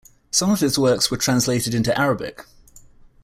Some of his works were translated into Arabic.